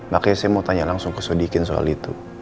makanya saya mau tanya langsung ke sodikin soal itu